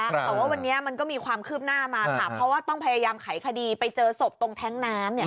แต่ว่าวันนี้มันก็มีความคืบหน้ามาค่ะเพราะว่าต้องพยายามไขคดีไปเจอศพตรงแท้งน้ำ